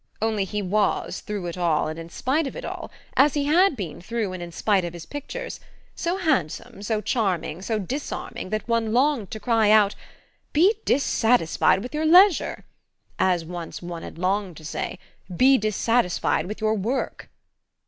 Only he was, through it all and in spite of it all as he had been through, and in spite of, his pictures so handsome, so charming, so disarming, that one longed to cry out: "Be dissatisfied with your leisure!" as once one had longed to say: "Be dissatisfied with your work!"